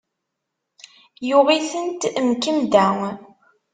Yuɣ itent, mkemmda.